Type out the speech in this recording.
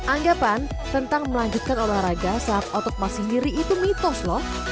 anggapan tentang melanjutkan olahraga saat otot masih nyeri itu mitos loh